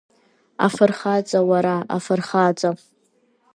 Афырхаҵа уара, афырхаҵа…